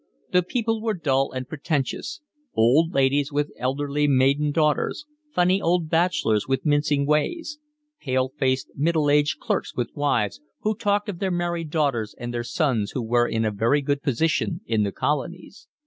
The people were dull and pretentious; old ladies with elderly maiden daughters; funny old bachelors with mincing ways; pale faced, middle aged clerks with wives, who talked of their married daughters and their sons who were in a very good position in the Colonies.